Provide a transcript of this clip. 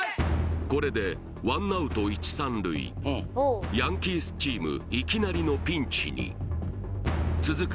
これで１アウト１・３塁ヤンキースチームいきなりのピンチに続く